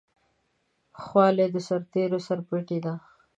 خولۍ د سرتېرو سرپټۍ ده.